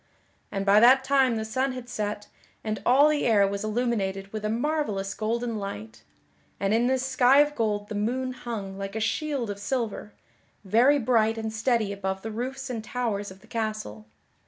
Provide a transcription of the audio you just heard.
And by that time the sun had set and all the air was illuminated with a marvellous golden light; and in this sky of gold the moon hung like a shield of silver, very bright and steady above the roofs and towers of the castle.